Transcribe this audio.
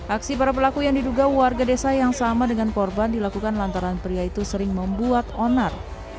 aksi para pelaku yang diduga warga desa yang sama dengan korban dilakukan lantaran pria itu sering membuat onar